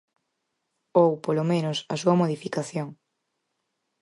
Ou, polo menos, a súa modificación.